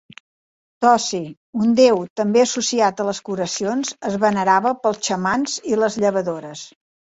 Toci, un déu també associat a les curacions, es venerava pels xamans i les llevadores.